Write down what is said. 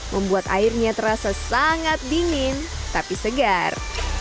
membuat airnya terasa sangat dingin tapi segar